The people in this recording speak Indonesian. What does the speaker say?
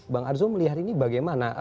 bang arzul melihat ini bagaimana